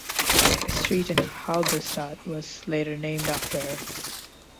A street in Halberstadt was later named after her.